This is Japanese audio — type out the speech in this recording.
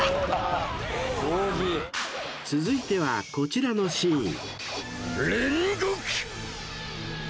［続いてはこちらのシーン］